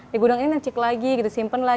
di gudang ini ngecek lagi gitu simpen lulus